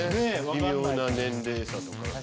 微妙な年齢差とか。